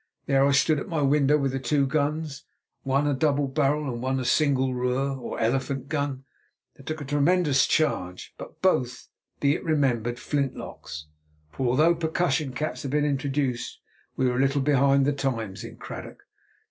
There I stood at my window with the two guns, one a double barrel and one a single roer, or elephant gun, that took a tremendous charge, but both, be it remembered, flint locks; for, although percussion caps had been introduced, we were a little behind the times in Cradock.